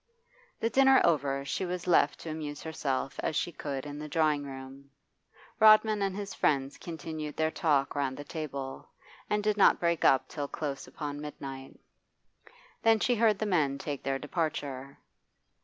The dinner over, she was left to amuse herself as she could in the drawing room. Rodman and his friends continued their talk round the table, and did not break up till close upon mid night. Then she heard the men take their departure.